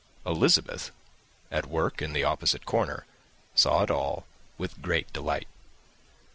Elizabeth, at work in the opposite corner, saw it all with great delight.